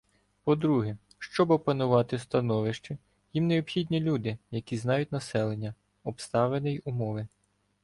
По-друге, щоб опанувати становище, їм необхідні люди, які знають населення, обставини й умови.